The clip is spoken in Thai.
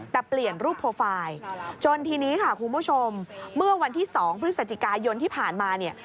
แต่เปลี่ยนรูปโปรไฟล์จนทีนี้ค่ะคุณผู้ชมเมื่อวันที่๒พฤศจิกายนที่ผ่านมาเนี่ย